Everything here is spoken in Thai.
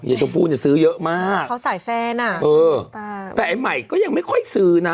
นี่จะพูดสื้อเยอะมากสายแฟนแต่ให้ใหม่ก็ยังไม่ค่อยสื่อนะ